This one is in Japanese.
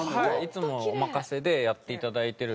いつもおまかせでやっていただいてるんですけど。